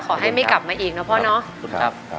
ขอให้ไม่กลับมาอีกนะพ่อเนาะ